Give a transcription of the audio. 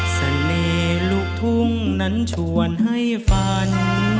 เสน่ห์ลูกทุ่งนั้นชวนให้ฝัน